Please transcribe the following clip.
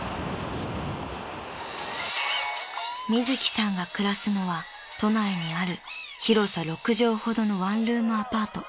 ［みずきさんが暮らすのは都内にある広さ６畳ほどのワンルームアパート］